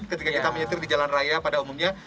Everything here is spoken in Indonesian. ketika kita menyetir di jalan raya pada umumnya